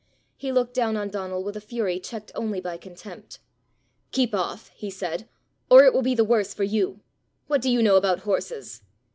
He looked down on Donal with a fury checked only by contempt. "Keep off," he said, "or it will be the worse for you. What do you know about horses?"